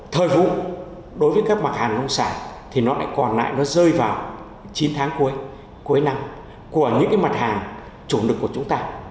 thời vụ đối với các mặt hàng nông sản thì nó lại còn lại nó rơi vào chín tháng cuối cuối năm của những cái mặt hàng chủ lực của chúng ta